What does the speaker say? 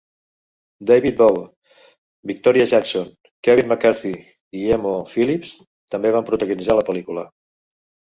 David Bowe, Victoria Jackson, Kevin McCarthy i Emo Philips també van protagonitzar la pel·lícula.